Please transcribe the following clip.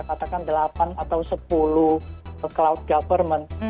katakan delapan atau sepuluh cloud government